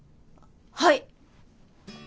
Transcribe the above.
はい！